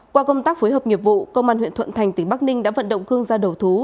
qua công tác phối hợp nghiệp vụ công an huyện thuận thành tỉnh bắc ninh đã vận động cương ra đầu thú